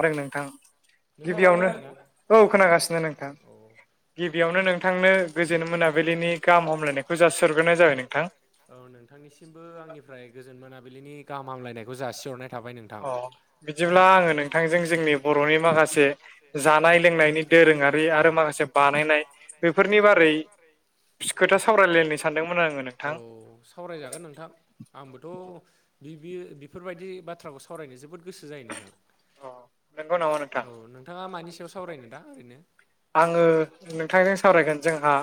आरो नोंथां नोंथाङाबो गिबियावनो खोनादों ना औ खोनागासिनो नोंथां औ गिबियावनो नोंथांनो गोजोन मोनाबिलिनि गाहाम हामलाय खौ जासिहर ग्रोनाय जाबाय नोंथां। औ नोंथांनिसिमबो आंनिफ्राय गोजोन मोनाबिलिनि गाहाम हामलायनायखौ जासिहरनाय थाबाय नों अ बिदिब्ला आङो नोंथांजों जोंनि बर'नि माखासे माखासे जानाय लोंनायनि दोरोङारि आरो माखासे बानायनाय बेफोरनि बारै खोथा सावरायलायनो सानदोंमोन आङो औ नोंथां। सावरायजागोन नोंथां। आंबोथ' बि बियो बेफोरबायदि बाथ्राखौ सावरायनो जोबोद गोसो जायो नोंथां। अ नोंगौ नामा नोथां? औ नोंथाङा मानि सायाव सावरायनो दा ओरैनो? आङो नोंथांजों सावरायगोन जोंहा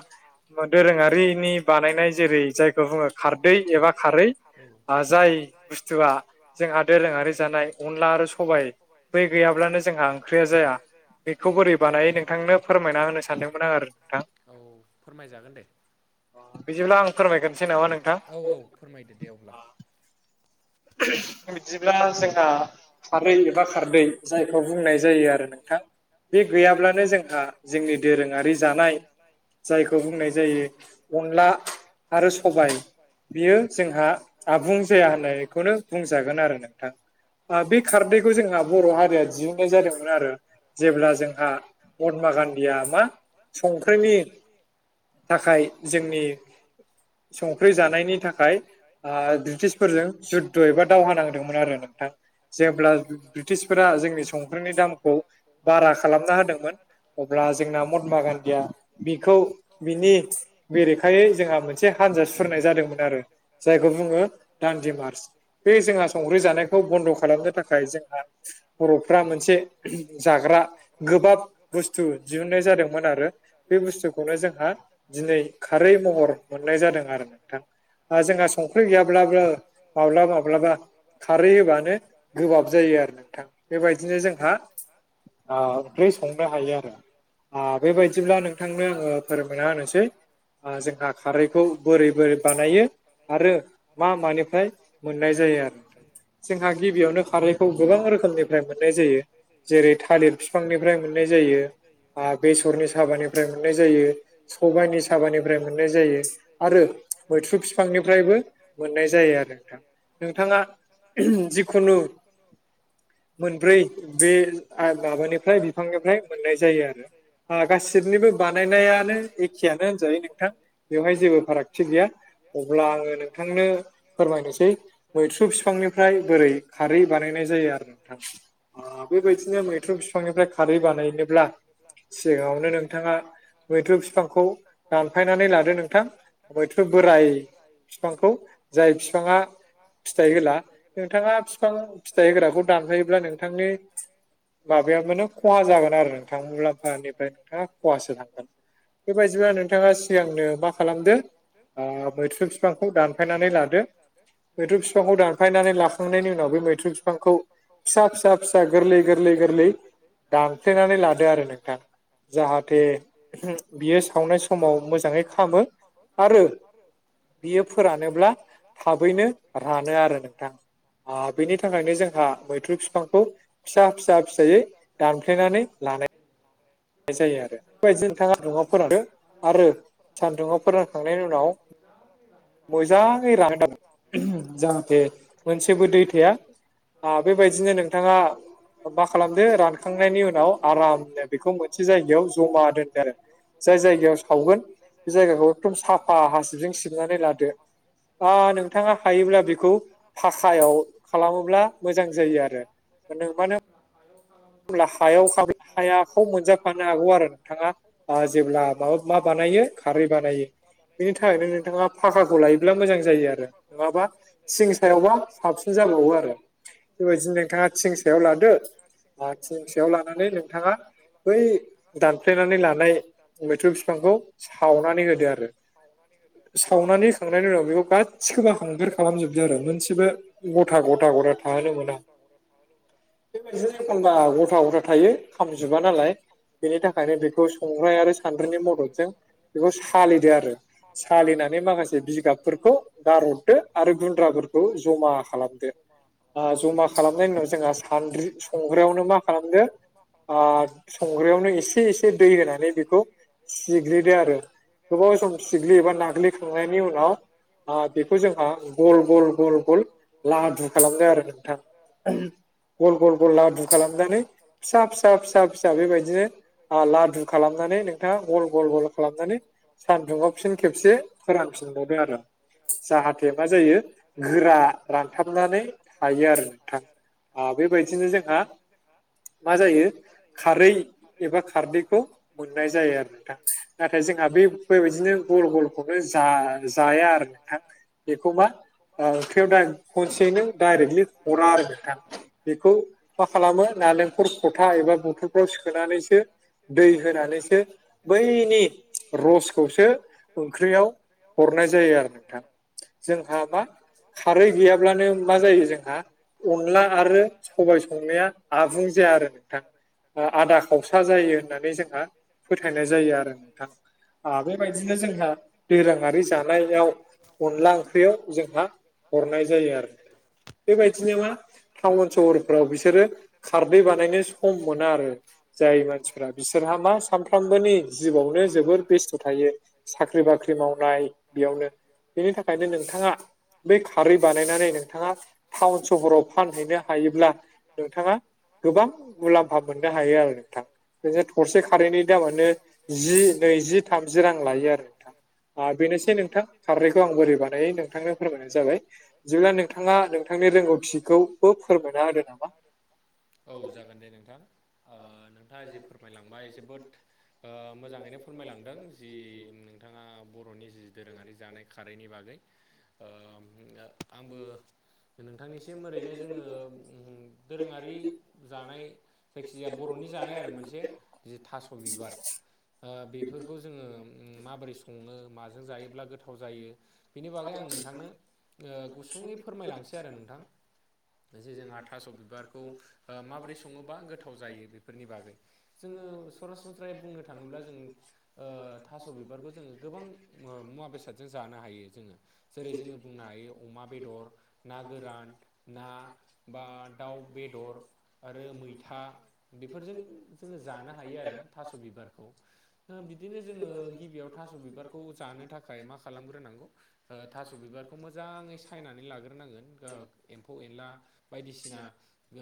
ओ दोरोङारिनि बानायनाय जेरै जायखौ बुङो खारदै एबा खारै आ जाय बुस्थुआ जोंहा दोरोङारि जानाय अनला आरो सबाइ बै गैयाब्लानो जोंहा ओंख्रिया जाया बेखौ बोरै बानायो नों बानायो नोंथांनो फोरमायना होनो सानदोंमोन आं आरो औ फोरमायजागोन दे। बिदिब्ला आं फोरमायग्रोनोसै नामा नोंथां औ औ फोरमायदो दे अब्ला। बिदिब्ला जोंहा खारै एबा खारदै जायखौ बुंनाय जायो आ रो नोंथां बे गैयाब्लानो जोंहा जोंनि दोरोङारि जानाय जायखौ बुंनाय जायो अनला आरो सबाय बियो जोंहा आबुं जाया होननाय खौनो बुंजागोन आरो नोंथां। ओ बे खारदैखौ जोंहा बर' हारिया दिहुनन्नाय जादोंमोन आरो। जेब्ला जोंहा महात्मा गान्धीया मा संख्रिनि थाखाय जोंनि संख्रि जानायनि थाखाय ब्रिटिसफोरजों जुद्ध' एबा दावहा नांदोंमोन आरो नोंथां जेब्ला ब्रिटिशफोरा [inaudible] जोंनि संख्रिनि दामखौ [inaudible] [unintelligible] बारा खालामना होदों अब्ला जोंना महात्मा गान्धीया बिखौ बिनि बेरेखायै जोंहा मोनसे हानजा सुरनाय जादोंमोन आरो जायखौ बुङो दान्दिमार। बे जोंहा संख्रि जानायखौ बन्द' खालामनो थाखाय जोंहा बर'फ्रा मोनसे जाग्रा गोबाब बुस्थु दिहुननाय जादोंमोन आरो बे बुस्थु खौनो जोंहा दिनै खारै महर मोननाय जादों आरो नोंथां जोंहा संख्रि गैयाब्लाबो माब्लाबा माब्लाबा खारै होबानो गोबाब जायो आरो नोंथां बेबायदिनो जोंहा ओंख्रि संनो हायो आरो आ बेबायदिब्ला नोंथांनो आङो फोरमायना होनोसै जोंहा खारैखौ बोरै बोरै बानायो आरो मा मानिफ्राय [inaudible] मोननाय जायो आरो जोंहा गिबियावनो खारैखौ गोबां रोखोमनिफ्राय मोननाय जायो जेरै [inaudible] थालिर बिफांनिफ्राय मोननाय जायो बेसरनि साबानिफ्राय मोननाय जायो। सबायाइनि साबानिफ्राय मोननाय जायो। आरो मैथ्रु बिफांनिफ्रायबो मोननाय जायो आरो नोंथाङा [unintelligible] जिखुनु मोनब्रै बे [unintelligible] माबानिफ्राय बिफांनिफ्राय मोननाय जायो आरो गासिनिबो बानायनायानो एखेयानो होनजायो नोंथां बेवहाय जेबो फारागथि गैया अब्ला आङो नोंथांनो फोरमायनो सै मैथ्रु बिफांनिफ्राय बोरै खारै बानायनाय जायो आरो नोंथां ओ बेबायदिनो मैथ्रु बिफांनिफ्राय खारै बानायनोब्ला सिगाङावनो नोंथाङा मैथ्रु बिफांखौ दानफायनानै लादो नोंथां मैथ्रु बोराय बिफांखौ जाय बिफाङा फिथाइ होला नोंथाङा बिफां फिथाइ होग्राखौ दानफायोब्ला नोंथांनि माबाया मा खहा जागोन आरो नोंथां मुलाम्फानिफ्राय नोंथाङा खहासो थांगोन बेबायदिबा नोंथाङा सिगांनो मा खालामदो मैथ्रु बिफांखौ दानफायनानै लादो। मैद्रु बिफांखौ दानफायनानै लाखांनायनि उनाव बे मैथ्रु बिफांखौ फिसा फिसा फिसा गोरलै गोरलै गोरलै गोरलै दानफ्लेनानै लादो आरो नोंथां जाहाथे [inaudible] [unintelligible] बियो सावनाय समाव मोजाङै खालामामो आरो बियो फोरानोब्ला थाबैनो रानो आरो नोंथां बेनि थाखायनो जोंहा मैथ्रु बिफांखौ फिसा फिसा [unintelligible] फिसायै दानफ्लेनानै लानाय दानफायनानै जायो आरो बेबायदिनो नोंथाङा [unintelligible] सन्दुंआव फोरानदो आरो सान्दुङआव फोरानखांनायनि उनाव [inaudible] मोजाङै रान [unintelligible] जाहाथे मोनसेबो दै थाया बेबायदिनो नोंथाङा मा खालामदो रानखांनायनि उनाव आरामनो बेखौ मोनसे जायगायाव जमा दोनदो आरो जाय जायगायाव सावगोन बे [unintelligible] जायगाखौ एकदम साफा [inaudible] ओ नोंथाङा हायोब्ला बेखौ फाखायाव खालामोब्ला मोजां जायो आरो नों मानो होनब्ला हायाव खालामोब्ला हायाखौ मोनजाफानो हागौ आरो नोंथाङा [unintelligible] जेब्ला माबा मा [unintelligible] बानायो खारै बानायो बेनि थाखायनो नोंथाङा फाखाखौ लायोब्ला मोजां [unintelligible] जायो आरो नङाबा सिं सायावबा [inaudible] साबसिन जाबावो आरो बेबायदि नोंथाङा थिं सायाव लादो थिं सायाव लानानै नोंथाङा बै दानफ्लेनानै लानाय मैथ्रु बिफांखौ सावनानै होदो आरो। सावनानै हो खांनायनि उनाव बेखौ गासिखौबो हांगार खालामजोबदो आरो मोनसेबो। गथा गथा गथा थाहोनो मोना। बेबायदिनो एखनबा गथा गथा थायो खामजोबा नालाय। बेनि थाखायनो बेखौ संग्राय आरो सान्द्रिनि मददजों। बेखौ सालिदो आरो सालिनानै माखासे बिगाबफोरखौ। गारदो आरो गुन्द्राफोरखौ जमा खालामदो। आ जमा खालामनायनि उनाव जोंहा सानद्रि संग्रायावनो मा खालामदो। आ संग्रायावनो एसे एसे दै होनानै बेखौ। सिग्लिदो आरो गोबाव सम सिग्लियो एबा नाग्लिखांनायनि उनाव [inaudible] आ बेखौ जोंहा गल गल गल गल लादु खालामदों आरो नोंथां। उमह गल गल गल लादु खालामनानै फिसा फिसा फिसा फिसा बेबायदिनो। आ लादु खालामनानै नोंथांङा गल गल गल खालामनानै। सान्दुंआव फिन खेबसे फोरानफिनबावदो आरो। जाहाथे मा जायो गोरा रानथाबनानै थायो आरो नोंथां। आ बेबायदिनो जोंहा मा जायो खारै एबा खारदैखौ मोननाय जायो आरो। नोंथां नाथाय जोंहा बे बेबायदिनो गल गलखौनो जा जाया आरो नोंथां। बेखौमा ओ ओंख्रियाव डा खनसेयैनो डाइरेक्टलि हरा आरो नोंथां। बेखौ मा खालामो नालेंखर खथा एबा बथलफ्राव सोनानैसो दै होनानैसो बैनि रसखौसो ओंख्रियाव हरनाय जायो आरो नोंथां। जोंहा मा खारै गैयाब्लानो मा जायो जोंहा अनला आरो सबाय संनाया आबुं जाया आरो नोंथां ओ आदा खावसा जायो होननानै जों। आ फोथायनाय जायो आरो नोंथां। आ बेबायदिनो जोंहा दोरोंआरि जानायाव। अनला ओंख्रियाव जोंहा हरनाय जायो आरो बेबायदिनो मा टाउन। सहरफ्राव बिसोरो खारदै बानायनो सम मोना आरो जाय मानसिफ्रा। बिसोरहा मा सानफ्रामबोनि जिवआवनो जोबोर बेस्थ' थायो साख्रि-बाख्रि मावनाय। बेयावनो बेनि थाखायनो नोंथांङा बै खारै बानायनानै नोंथांङा टाउन, सहराव फानहैनो हायोब्ला नोंथांङा गोबां मुलाम्फा मोननो हायो आरो नोंथां। नोंङो थरसे खारैनि दामानो जि नैजि थामजि रां लायो आरो नोंथां। आ बेनोसै नोंथां खारैखौ आं बोरै बानायो नोंथांनो फोरमायनाय जाबाय जोआ नोंथांङा नोंथांनि रोंगौथि। थिखौबो फोरमायना होदो नामा? औ जागोन दे नोंथां ओ नोंथांङा जि फोरमायलांबाय जोबोद। ओ मोजांङैनो फोरमायलांदों जि नोंथांङा बर'नि जि दोरोंङारि जानाय खारैनि बागै ओ ओम ओ। आंबो नोंथांनिसिम ओरैनो जोंङो। उम दोरोंङारि जानाय। जायखिजाया बर'नि जानाय आरो मोनसे जि थास' बिबार। ओ बेफोरखौ जोंङो माबोरै संङनो माजों जायोब्ला गोथाव जायो। बेनि बागै आं नोंथांनो ओ गुसुंङै फोरमायलांसै आरो नोंथां जे जोंहा। थास' बिबारखौ ओ माबोरै संङोबा गोथाव जायो बेफोरनि बागै जोंङो। सरासनस्रायै बुंनो थांङोब्ला जों ओ थास' बिबारबो जोंङो गोबां मुवा बेसाद। जों जानो हायो जोंङो जेरै जोंङो बुंनो हायो अ अमा बेदर ना गोरान ना बा दाउ, बेदर। आरो मैथा बेफोरजों जोंङो जानो हायो आरो थास' बिबारखौ। ओ बिदिनो जोंङो गिबियाव थास' बिबारखौ जानो थाखाय मा खालामग्रोनांगौ। ओ थास' बिबारखौ मोजांङै सायनानै लाग्रोनांगोन ओ एम्फौ- एनला। बायदिसिना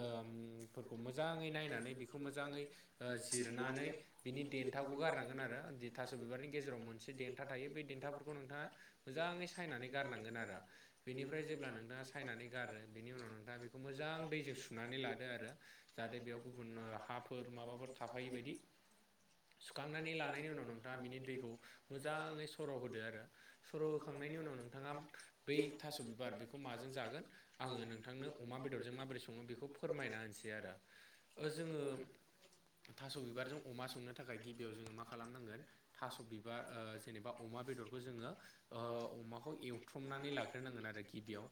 उम फोरखौ मोजांङै नायनानै बिखौ मोजांङै ओ जिरनानै बिनि देन्थाखौ गारनांगोन आरो जि थास' बिबारनि गेजेराव मोनसे देन्था थायो बे देन्थाफोरखौ खौ नोंथांङा मोजांङै सायनानै गारनांगोन आरो बेनिफ्राय जेब्ला नोंथाङा सायनानै गारो बेनि उनाव नोंथाङा बे मोजां दैजों सुनानै लादो आरो जाहाथे बेयाव गुबुन हाफोर माबाफोर थाफायि बायदि सुखांनानै लानायनि उनाव नोंथांङा बिनि दैखौ मोजांङै सर' होदो आरो सर' होखांनायनि उनाव नोंथांङा बै थास' बिबार बेखौ माजों जागोन आङो नोंथांनो अमा बेदरजों माबोरै सङो बेखौ फोरमायना होनसै आरो। जोङो थास' बिबारजों अमा संनो थाखाय गिबियाव जोङो मा खालामनांगोन थास' बिबार जेनेबा अमा बेदरखौ जोङो ओ अमाखौ एवथ्रमनानै लाग्रोनांगोन आरो गिबियाव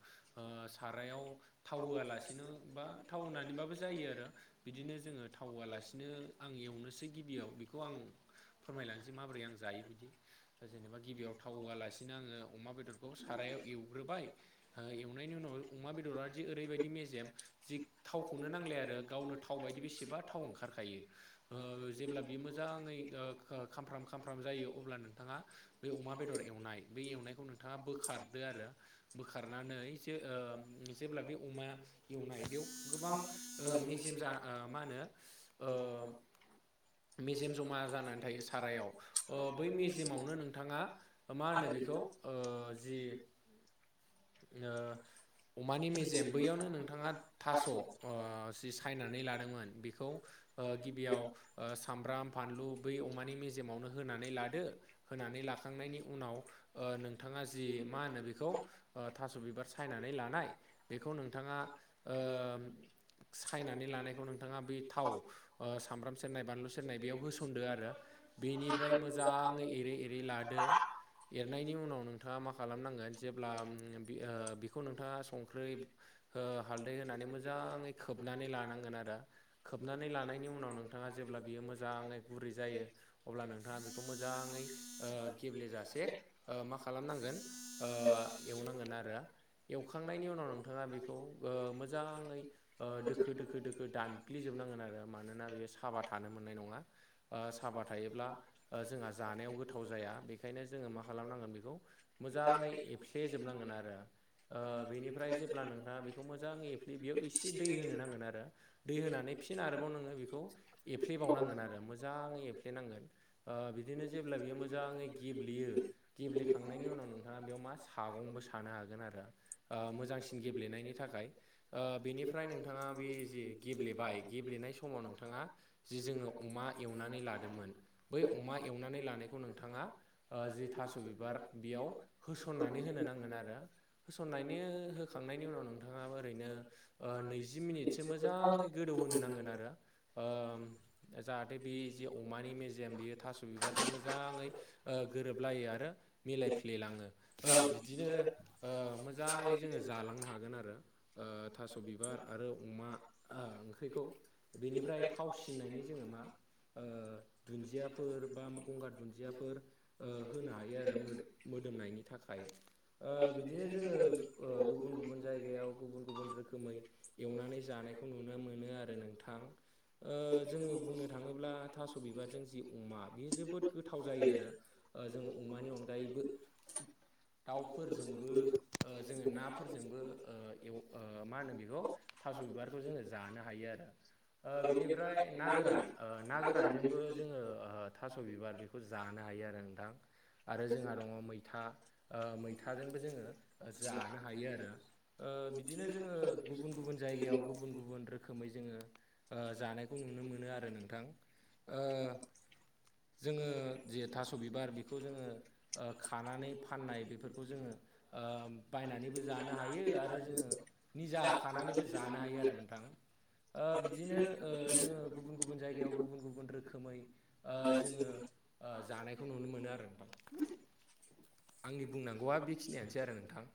सारायाव थाव होआलासिनो बा थाव होनानैबाबो जायो आरो। बिदिनो जोङो थाव होआलासिनो आं एवनोसै गिबियाव बेखौ आं फोरमायलांनोसै माबोरै आं जायो बिदि दा जेनेबा गिबियाव थाव होआलासिनो आङो अमा बेदरखौ सारायाव एवग्रोबाय एवनायनि उनाव अमा बेदरा दि ओरैबायदि मेजेम जि थावखौनो नांलाया आरो गावनो थाव बायदि बेसेबा थाव ओंखारखायो। ओ जेब्ला बियो मोजाङै खामफ्राम खामफ्राम जायो अब्ला नोंथाङा बे अमा बेदर एवनाय बे एवनायखौ नों नोंथाङा बोखारदो आरो बोखारनानै ओ जेब्ला बे अमा एवनाय बेयाव गोबां मेजेम जा मा होनो ओ मेजेम जमा जानानै थायो सारायाव बै मेजेमावनो नोंथाङा मा होनो बेखौ ओ जि ओ अमानि मेजेम बैयावनो नोंथाङा थास' ओ जि सायनानै लादोंमोन बेखौ गिबियाव सामब्राम फानलु बै अमानि मेजेमावनो होनानै लादो। होनानै लाखांनायनि उनाव नोंथाङा जि मा होनो बेखौ थास' बिबार सायनानै लानाय बेखौ नोंथाङा ओ सायनानै लानायखौ नोंथाङा बे थाव सामब्राम सेरनाय बानलु सेरनाय बेयाव होसनदो आरो। बेनिफ्राय मोजाङै एरै एरै लादो एरनायनि उनाव नोंथाङा मा खालामनांगोन जेब्ला बेखौ नोंथाङा सं ओ हालदै होनानै मोजाङै खोबनानै लानांगोन आरो खोबनानै लानायनि उनाव नोंथाङा जेब्ला बियो मोजाङै गुरै जायो अब्ला नोंथाङा नोंथाङा बेखौ मोजाङै गेब्लेेजासे मा खालामनांगोन ओ एवनांगोन आरो एवखां नायनि उनाव नोंथाङा बेखौ मोजाङै दोखो दोखो दोखो दानग्लिजोबनांगोन आरो मानोना बेयो साबा थानो मोननाय नङा। साबा थायोब्ला जोंहा जानायाव गोथाव जाया बेखायनो जोङो मा खालामनांगोन बेखौ मोजाङै एफ्ले जोबनांगोन आरो। ओ बेनिफ्राय जेब्ला नोंथाङा बेखौ मोजां एफ्लेयो बेयाव एसे दै होनो नांगोन आरो दै होनानै फिन आरोबाव नोङो बेखौ एफ्लेबावनांगोन आरो मोजाङै एफ्लेनांगोन। बिदिनो जेब्ला बियो मोजाङै गेब्लेयो। गेब्लेखांनायनि उनाव नोंथाङा बेयाव मा सागंबो सानो हागोन आरो। मोजांसिन गेब्लेनायनि थाखाय बेनिफ्राय नोंथाङा बे जे गेब्लेबाय गेब्लेनाय समाव समाव नोंथाङा जि जोङो अमा एवनानै लादोंमोन बै अमा एवनानै लानायखौ नोंथाङा जि थास' बिबार बेयाव होसन्नानै होनो नांगोन आरो। होसननानै होखांनायनि उनाव नोंथाङाबो ओरैनो नैजि मिनिटसो मोजाङै गोदौहोनो नांगोन आरो। जाहाथे बे जि अमानि मेजेम बेयो थास' बिबारजों मोजाङै गोरोबलायो आरो मिलायफ्लेलांयो। बिदिनो मोजाङै जोङो जालांनो हागोन आरो। थास' बिबार आरो अमा ओंख्रिखौ बेनिफ्राय थाव सिननायनि जोङो मा दुन्दियाफोर, बा गंगार दुन्दियाफोर होनो हायो आरो मोदोम मोदोमनायनि थाखाय। ‌ ओ बिदिनो जोङो। ओ गुबुन गुबुन जायगायाव गुबुन गुबुन रोखोमै। एवनानै जानायखौ नुनो मोनो आरो नोंथां। ओ जोङो बुंनो थाङोब्ला थास' बिबारजों जि अमा बियो जोबोद गोथाव जायो आरो। ओ जों अमानि अनगायैबो दाउफोरजोंबो। ओ जोङो नाफोरजोंबो ओ एव ओ मा होनो बेखौ थास' बिबारखौ जोङो जानो हायो आरो। ओ बेनिफ्राय ना गोरान ओ ना गोरानजोंबो जोङो ओ थास' बिबार बे। बेखौ जानो हायो आरो नोंथां। आरो जोंहा दङ मैथा ओ मैथाजोंबो जोङो जानो हायो आरो। ओ बिदिनो जोङो गुबुन गुबुन जायगायाव गुबुन गुबुन रोखोमै जोङो। ओ जानायखौ नुनो मोनो आरो नोंथां ओ। जोङो जे थास' बिबार बेखौ जोङो ओ खानानै फाननाय बेफोरखौ जोङो। ओ बायनानैबो जानो हायो आरो जोङो निजा खानानैबो जानो हायो आरो नोंथां। ओ बिदिनो ओ जोङो गुबुन गुबुन जायगायाव गुबुन गुबुन रोखोमै ओ जोङो। ओ जानायखौ नुनो मोनो आरो नोंथां आंनि बुंनांगौआ बेखि गरमानोसै आरो नोंथां।